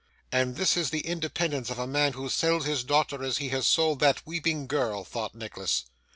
'And this is the independence of a man who sells his daughter as he has sold that weeping girl!' thought Nicholas.